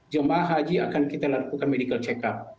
jemaah haji akan kita lakukan medical check up